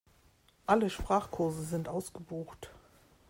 Alle Sprachkurse sind ausgebucht.